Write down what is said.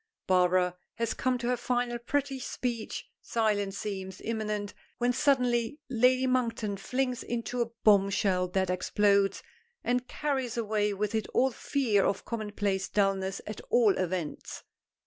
Barbara has come to her final pretty speech silence seems imminent when suddenly Lady Monkton flings into it a bombshell that explodes, and carries away with it all fear of commonplace dullness at all events.